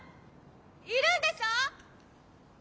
いるんでしょ？